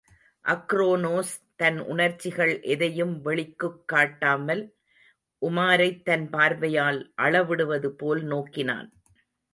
அக்ரோனோஸ், தன் உணர்ச்சிகள் எதையும் வெளிக்குக் காட்டாமல், உமாரைத் தன் பார்வையால் அளவிடுவது போல் நோக்கினான்.